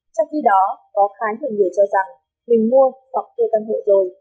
trong khi đó có khá nhiều người cho rằng mình mua hoặc thuê căn hộ rồi